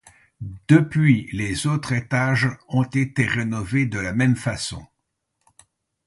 Depuis, les autres étages ont été rénovés de la même façon.